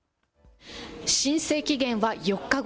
申請期限は４日後。